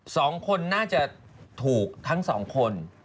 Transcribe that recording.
สองคนน่าจะถูกทั้งสองคน